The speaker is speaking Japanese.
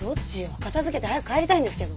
片づけて早く帰りたいんですけど。